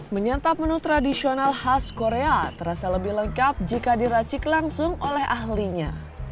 menyantap menu tradisional khas korea terasa lebih lengkap jika diracik langsung oleh ahlinya